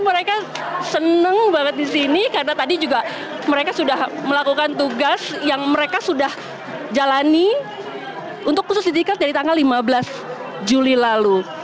mereka seneng banget di sini karena tadi juga mereka sudah melakukan tugas yang mereka sudah jalani untuk khusus didikat dari tanggal lima belas juli lalu